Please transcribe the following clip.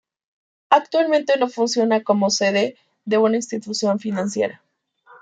Actualmente funciona como sede de una institución financiera.